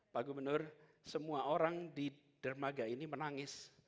pak gubernur semua orang di dermaga ini menangis